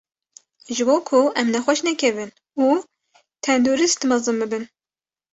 Ji bo ku em nexweş nekevin û tendurist mezin bibin.